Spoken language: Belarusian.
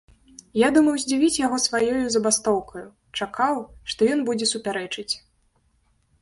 Я думаў здзівіць яго сваёю забастоўкаю, чакаў, што ён будзе супярэчыць.